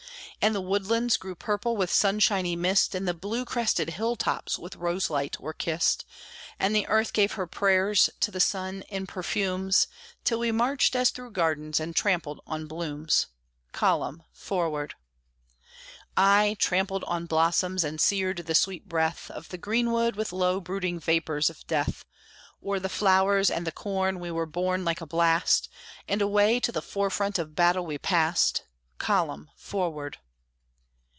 And the woodlands grew purple with sunshiny mist, And the blue crested hill tops with roselight were kissed, And the earth gave her prayers to the sun in perfumes, Till we marched as through gardens, and trampled on blooms "Column! Forward!" Ay, trampled on blossoms, and seared the sweet breath Of the greenwood with low brooding vapors of death; O'er the flowers and the corn we were borne like a blast, And away to the forefront of battle we passed "Column! Forward!"